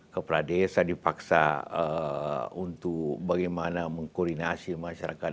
kepala desa dipaksa untuk bagaimana mengkoordinasi masyarakat